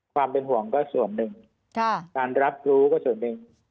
ความเป็นห่วงก็ส่วนหนึ่งการรับรู้ก็ส่วนหนึ่ง